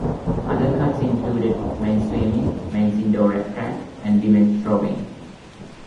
Other cuts included men's swimming, men's indoor track, and women's rowing.